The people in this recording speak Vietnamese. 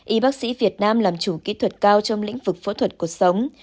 y bác sĩ việt nam làm chủ kỹ thuật cao trong lĩnh vực phẫu thuật cuộc sống